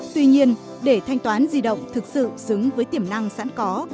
tuy nhiên để thanh toán di động thực sự xứng với tiềm năng sẵn có